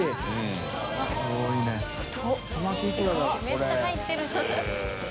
めっちゃ入ってるし。